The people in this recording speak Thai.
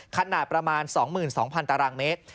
ขนาดประมาณ๒๒๐๐ตารางเมตร